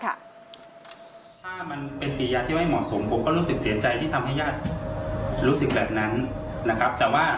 ถ้ามันเป็นกิยาที่ไม่เหมาะสมผมก็รู้สึกเสียใจที่ทำให้ญาติรู้สึกแบบนั้นนะครับแต่ว่า